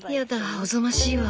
おぞましいわ。